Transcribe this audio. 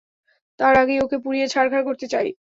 তার আগেই ওকে পুড়িয়ে ছাড়খাড় করতে চাই।